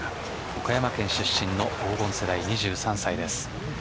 岡山県出身の黄金世代２３歳です。